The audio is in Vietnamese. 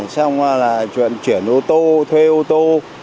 xong rồi là chuyển ô tô thuê ô tô